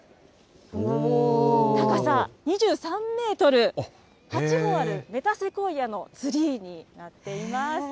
高さ２３メートル、８本あるメタセコイアのツリーになっています。